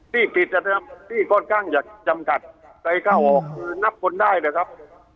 ที่กิจกรรมที่ค่อนข้างจะจำกัดใครเข้าออกคือนับคนได้นะครับ